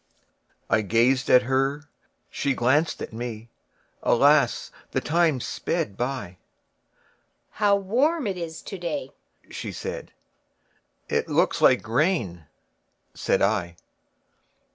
I gazed at her, she glanced at me; Alas! the time sped by:"How warm it is to day!" said she;"It looks like rain," said I.